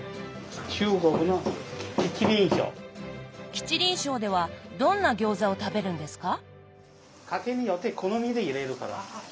吉林省ではどんな餃子を食べるんですか？